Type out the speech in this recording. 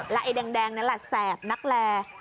ไอ้แดงนั่นแหละแสบนักแล